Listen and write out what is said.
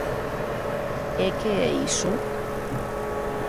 E que é iso?